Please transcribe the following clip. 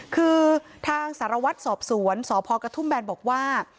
คือทางสารวัตรสอบสวนสพกระทุ่มแบนบอกว่า